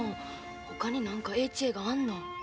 ほかに何かええ知恵があんの？